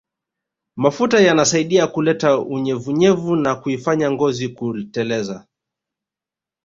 Mafuta yanasaidia kuleta unyevunyevu na kuifanya ngozi kuteleza